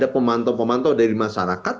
pemantau pemantau dari masyarakat